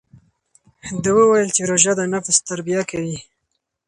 ده وویل چې روژه د نفس تربیه کوي.